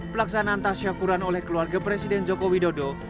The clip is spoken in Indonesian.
pelaksanaan tasyakuran oleh keluarga presiden joko widodo